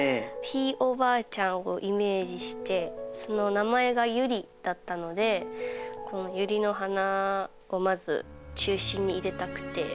ひいおばあちゃんをイメージしてその名前がユリだったのでこのユリの花をまず中心に入れたくて。